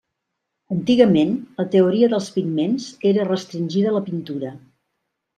Antigament, la teoria dels pigments era restringida a la pintura.